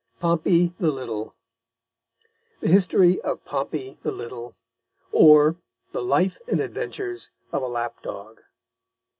POMPEY THE LITTLE THE HISTORY OF POMPEY THE LITTLE; _or, the Life and Adventures of a Lap Dog.